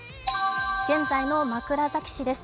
現在の枕崎市です。